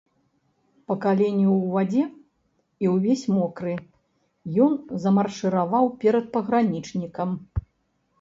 Па калені ў вадзе і ўвесь мокры, ён замаршыраваў перад пагранічнікам.